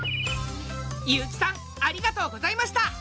悠木さんありがとうございました！